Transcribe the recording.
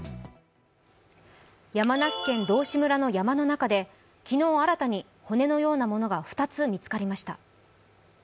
山梨県道志村の山の中で昨日、新たに骨のようなものが２つ見つかりました。